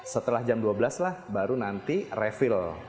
setelah jam dua belas lah baru nanti refill